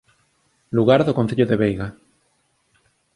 Lugar do Concello da Veiga